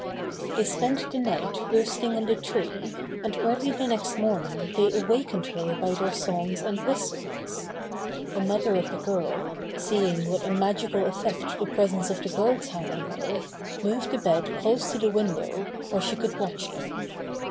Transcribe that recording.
They spent the night roosting in the tree, and early the next morning they awakened her by their songs and whistles. The mother of the girl, seeing what a magical effect the pres ence of the birds had on her, moved the bed close to the window where she could watch them.